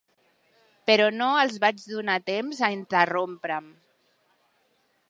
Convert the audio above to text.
Però no els vaig donar temps a interrompre'm.